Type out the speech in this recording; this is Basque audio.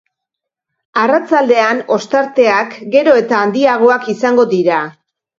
Arratsaldean, ostarteak gero eta handiagoak izango dira.